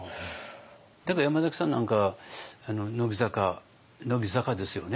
だから山崎さんなんかあの乃木坂乃木坂ですよね？